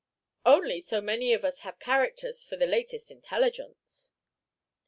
"Only so many of us as have characters for the 'latest intelligence.'"